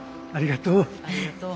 ありがとう。